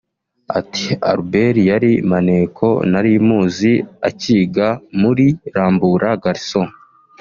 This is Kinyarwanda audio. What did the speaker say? Ati “Albert yari maneko nari muzi akiga muri Rambura Garҫons